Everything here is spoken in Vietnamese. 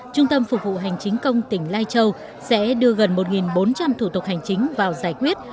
trung tâm phục vụ hành chính công tỉnh lai châu sẽ đưa gần một bốn trăm linh thủ tục hành chính vào giải quyết